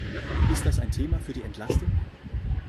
Ist das ein Thema für die Entlastung?